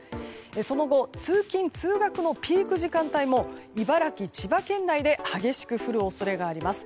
その後、通勤・通学のピーク時間帯も茨城、千葉県内で激しく降る恐れがあります。